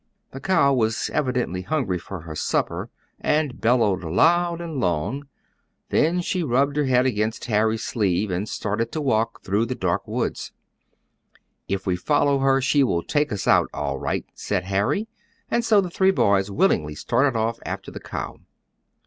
The cow was evidently hungry for her supper, and bellowed loud and long. Then she rubbed her head against Harry's sleeve, and started to walk through the dark woods. "If we follow her she will take us out, all right," said Harry, and so the three boys willingly started off after the cow.